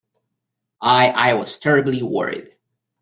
I—I was terribly worried.